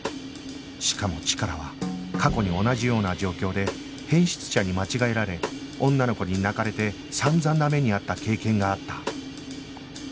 しかもチカラは過去に同じような状況で変質者に間違えられ女の子に泣かれて散々な目に遭った経験があった